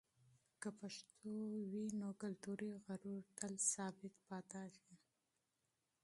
که پښتو وي، نو کلتوري غرور تل ثابت پاتېږي.